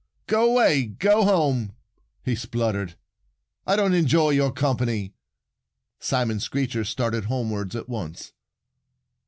"Go away! Go home!" he spluttered. "I don't enjoy your company." Simon Screecher started homewards at once.